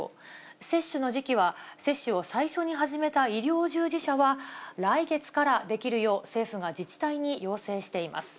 接種の時期は、接種を最初に始めた医療従事者は来月からできるよう、政府が自治体に要請しています。